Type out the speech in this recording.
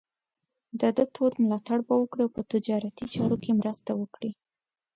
د ده تود ملاتړ به وکړي او په تجارتي چارو کې مرسته وکړي.